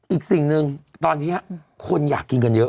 อีกสิ่งหนึ่งตอนนี้คนอยากกินกันเยอะ